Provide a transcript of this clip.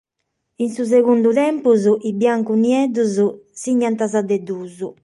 In su segundu tempus sos biancu-nieddos signant sa de duos.